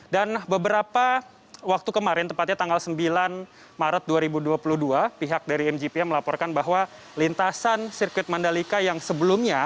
dan beberapa waktu kemarin tepatnya tanggal sembilan maret dua ribu dua puluh dua pihak dari mgp melaporkan bahwa lintasan sirkuit mandalika yang sebelumnya